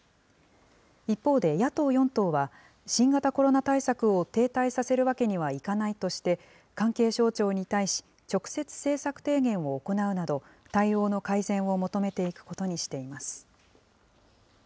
一方で、野党４党は、新型コロナ対策を停滞させるわけにはいかないとして、関係省庁に対し、直接政策提言を行うなど、対応の改善を求めていくことにしています。